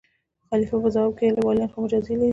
خلیفه په ځواب کې وویل: ولیان خو معجزې لري.